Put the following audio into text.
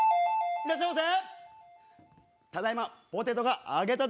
いらっしゃいませ！